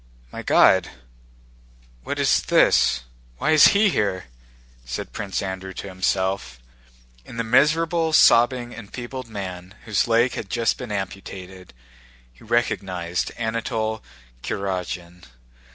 "My God! What is this? Why is he here?" said Prince Andrew to himself. In the miserable, sobbing, enfeebled man whose leg had just been amputated, he recognized Anatole Kurágin.